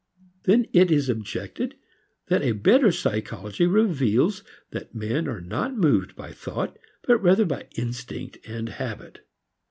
Then it is objected that a better psychology reveals that men are not moved by thought but rather by instinct and habit.